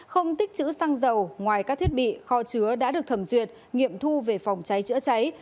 không tích chữ xăng dầu ngoài các thiết bị kho chứa đã được thẩm duyệt nghiệm thu về phòng cháy chữa cháy